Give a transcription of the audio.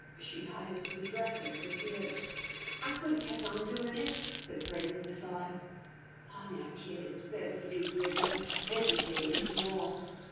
"She hires the dresser at the theatre." "I could 'a' kep' on doin' it," said Freddy, with a sigh. "Aw, now, kid, it's better for you here, gettin' educated an' all."